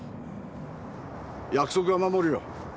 約束は守るよ。